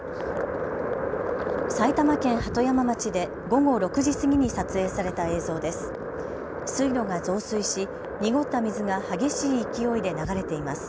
埼玉県鳩山町で午後６時過ぎに撮影された映像です。